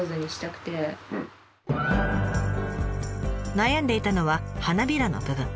悩んでいたのは花びらの部分。